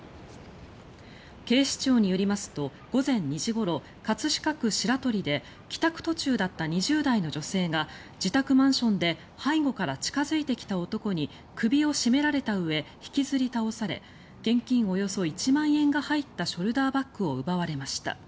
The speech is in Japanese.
警視庁によりますと午前２時ごろ、葛飾区白鳥で帰宅途中だった２０代の女性が自宅マンションで背後から近付いてきた男に首を絞められたうえ引きずり倒され現金およそ１万円が入ったショルダーバッグを奪われました。